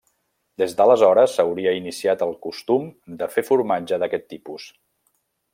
Des d'aleshores s'hauria iniciat el costum de fer formatge d'aquest tipus.